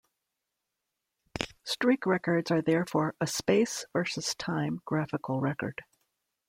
Streak records are therefore a space versus time graphical record.